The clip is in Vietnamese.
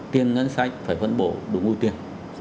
tiền ngân sách phải phân bổ đúng ưu tiên